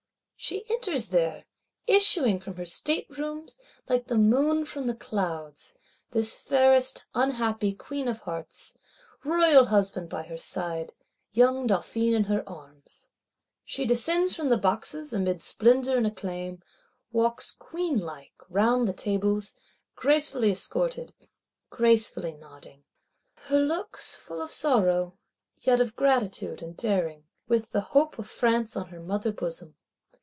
She enters there, issuing from her State rooms, like the Moon from the clouds, this fairest unhappy Queen of Hearts; royal Husband by her side, young Dauphin in her arms! She descends from the Boxes, amid splendour and acclaim; walks queen like, round the Tables; gracefully escorted, gracefully nodding; her looks full of sorrow, yet of gratitude and daring, with the hope of France on her mother bosom!